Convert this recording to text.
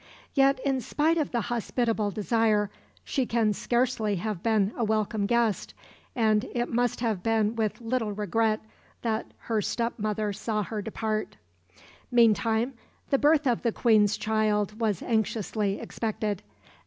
Yet in spite of the hospitable desire, she can scarcely have been a welcome guest, and it must have been with little regret that her step mother saw her depart. Meantime, the birth of the Queen's child was anxiously expected.